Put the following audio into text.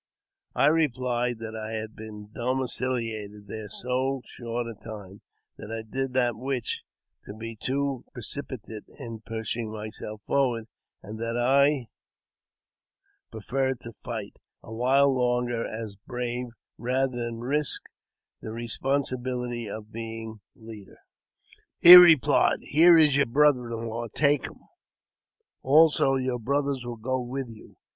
I rephed that I had been domiciliated there so short a time that I did not wish to be too precipitate in pushing myself forward, and that I preferred to fight a while longer as a brave, rather than risk the responsibility of being leader. JAMES P. BECKWOUBTH. 145 He replied, " Here is your brother in law, take him ; alsa your brothers will go with you.